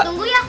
eh tunggu ya